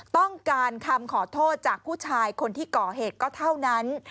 ต้องการคำขอโทษจากผู้ชายคนที่ก่อเหตุก็เท่านั้น